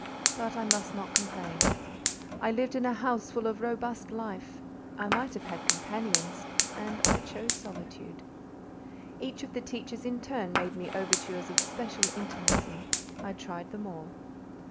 But I must not complain. I lived in a house full of robust life; I might have had companions, and I chose solitude. Each of the teachers in turn made me overtures of special intimacy; I tried them all.